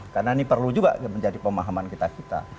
karena ini perlu juga menjadi pemahaman kita kita